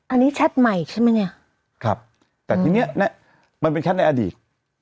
อันนี้แชทใหม่ใช่ไหมเนี่ยครับแต่ทีเนี้ยมันเป็นแชทในอดีต